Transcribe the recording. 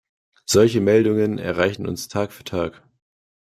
Solche Meldungen erreichen uns Tag für Tag.